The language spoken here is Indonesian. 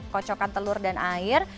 kocokan telur dan air